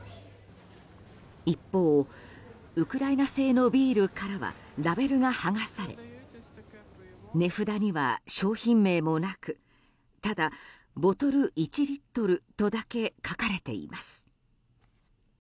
一方、ウクライナ製のビールからはラベルが剥がされ値札には商品名もなくただ、ボトル１リットルとだけ書かれています。